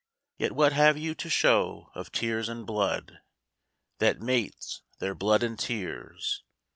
Yet what have you to show of tears and blood, That mates their blood and tears?